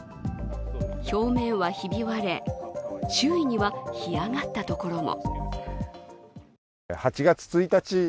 表面はひび割れ、周囲には干上がったところも。